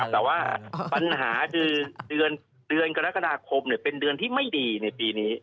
แต่ว่าปัญหาคือเดือนกรกฎาคมเป็นเดือนที่ไม่ดีในปีนี้